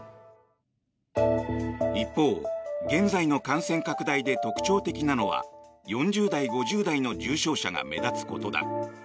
一方、現在の感染拡大で特徴的なのは４０代、５０代の重症者が目立つことだ。